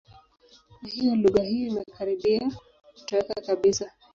Kwa hiyo lugha hiyo imekaribia kutoweka kabisa.